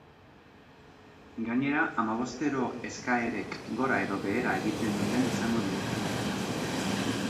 Gainera, hamabostero eskaerek gora edo behera egiten duten esango diete.